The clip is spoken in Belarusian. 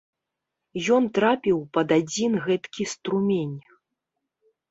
Ён трапіў пад адзін гэткі струмень.